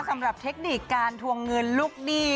สำหรับเทคนิคการทวงเงินลูกดี้